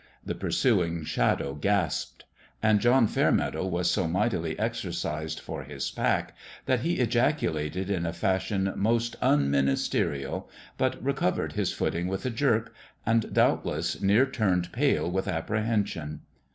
The pursuing Shadow gasped ; and John Fairmeadow was so mightily exercised for his pack that he ejaculated in a fashion most un ministerial, but recovered his footing with a jerk, and doubtless near turned pale with apprehen sion.